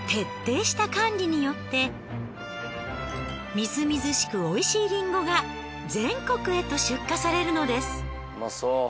みずみずしくおいしいリンゴが全国へと出荷されるのです。